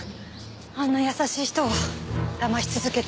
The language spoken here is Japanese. あんな優しい人を騙し続けていて。